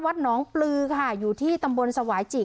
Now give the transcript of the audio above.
วัดหนองปลือค่ะอยู่ที่ตำบลสวายจิ